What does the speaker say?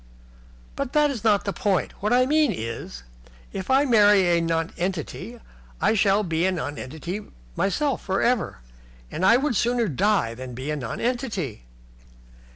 "But that is not the point. What I mean is, if I marry a nonentity I shall be a nonentity myself for ever. And I would sooner die than be a nonentity."